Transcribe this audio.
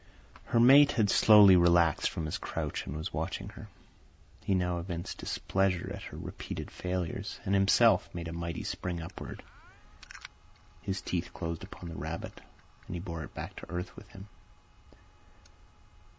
Her mate had slowly relaxed from his crouch and was watching her. He now evinced displeasure at her repeated failures, and himself made a mighty spring upward. His teeth closed upon the rabbit, and he bore it back to earth with him.